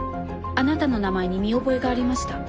あなたの名前に見覚えがありました。